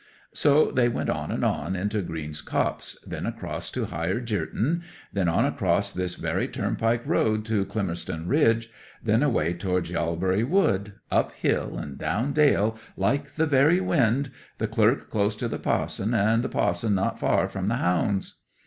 'So they went on and on, into Green's Copse, then across to Higher Jirton; then on across this very turnpike road to Climmerston Ridge, then away towards Yalbury Wood: up hill and down dale, like the very wind, the clerk close to the pa'son, and the pa'son not far from the hounds.